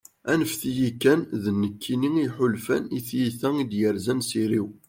anfet-iyi kan, d nekk i yeḥulfan, i tyita i d-yerzan s iri-w